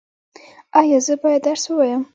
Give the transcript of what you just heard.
ایا زه باید درس ووایم؟